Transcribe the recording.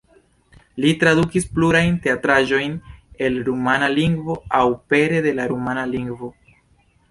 Li tradukis plurajn teatraĵojn el rumana lingvo aŭ pere de rumana lingvo.